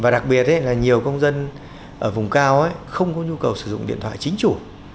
đặc biệt là nhiều công dân ở vùng cao không có nhu cầu sử dụng điện thoại chính chủ